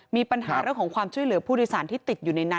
มีปัญหาเรื่องของความช่วยเหลือผู้โดยสารที่ติดอยู่ในนั้น